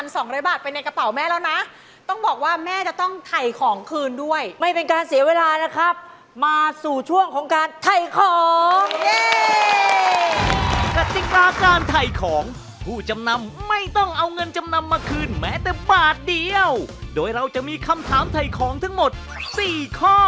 และแม่น้องใหม่ของเราก็รับเงินจำนำจากทางรายการไปก่อนเลย